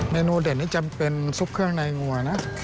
เนนูเด่นนี่จำเป็นซุปเครื่องในงัวนะ